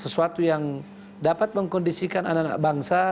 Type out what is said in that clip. sesuatu yang dapat mengkondisikan anak anak bangsa